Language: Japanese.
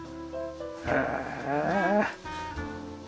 へえ。